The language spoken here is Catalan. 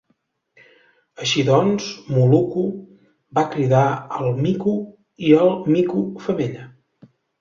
Així doncs, Muluku va cridar el mico i el mico femella.